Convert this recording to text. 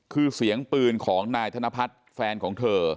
คือเสียงปืนของนายธนพัฒน์แฟนของเธอ